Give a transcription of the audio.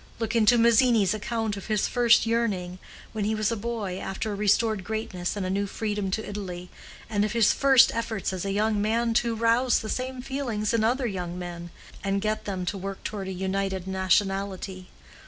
Look into Mazzini's account of his first yearning, when he was a boy, after a restored greatness and a new freedom to Italy, and of his first efforts as a young man to rouse the same feelings in other young men, and get them to work toward a united nationality.